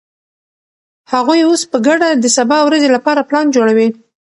هغوی اوس په ګډه د سبا ورځې لپاره پلان جوړوي.